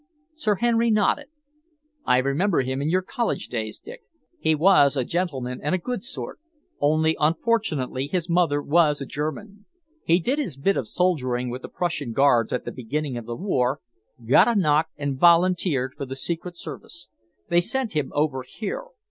Sir Henry nodded. "I remember him in your college days, Dick. He was a gentleman and a good sort, only unfortunately his mother was a German. He did his bit of soldiering with the Prussian Guards at the beginning of the war, got a knock and volunteered for the Secret Service. They sent him over here.